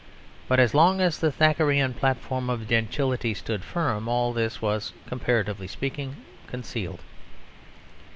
But as long as the Thackerayan platform of gentility stood firm all this was, comparatively speaking, concealed.